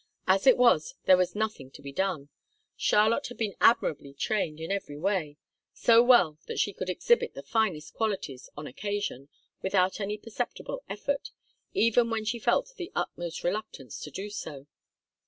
As it was, there was nothing to be done. Charlotte had been admirably 'trained' in every way so well that she could exhibit the finest qualities, on occasion, without any perceptible effort, even when she felt the utmost reluctance to do so.